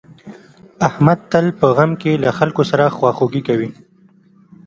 احمد تل په غم کې له خلکو سره خواخوږي کوي.